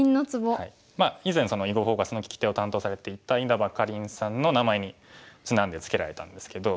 以前「囲碁フォーカス」の聞き手を担当されていた稲葉かりんさんの名前にちなんで付けられたんですけど。